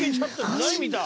何見た？